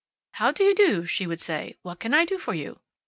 "How do you do!" she would say. "What can I do for you?"